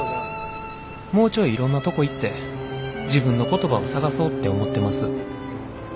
もうちょいいろんなとこ行って自分の言葉を探そうって思ってます」。